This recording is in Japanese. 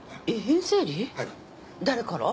誰から？